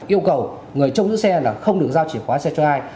yêu cầu người trông giữ xe là không được giao chìa khóa xe cho ai